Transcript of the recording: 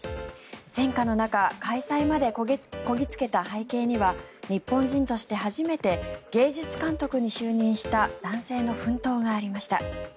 戦渦の中開催までこぎ着けた背景には日本人として初めて芸術監督に就任した男性の奮闘がありました。